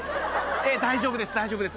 ええ大丈夫です大丈夫です。